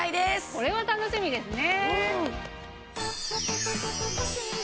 これは楽しみですね。